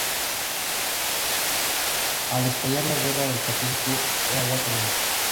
Al estallar la Guerra del Pacífico era ya coronel.